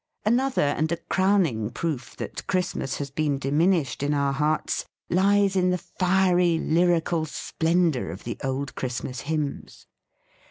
Another and a crowning proof that Christmas has been diminished in our hearts lies in the fiery lyrical splendour of the old Christmas hymns.